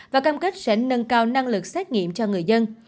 và cam kết sẽ nâng cao năng lực xét nghiệm cho người dân